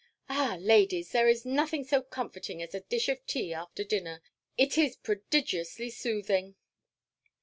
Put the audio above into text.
"Ah, Ladies, there is nothing so comforting as a dish of tea after dinner. It is prodigiously soothing!"